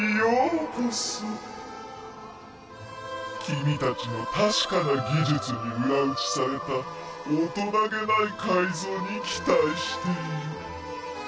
君たちの確かな技術に裏打ちされた大人気ない改造に期待している。